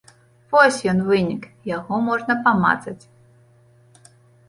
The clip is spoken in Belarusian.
Вось ён, вынік, яго можна памацаць.